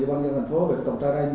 văn dân thành phố về tổng trại răng